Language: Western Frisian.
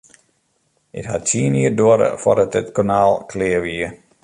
It hat tsien jier duorre foardat it kanaal klear wie.